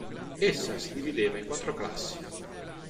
Essa si divideva in quattro classi.